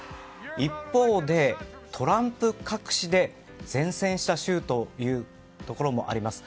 一方で、トランプ隠しで善戦した州というところもあります。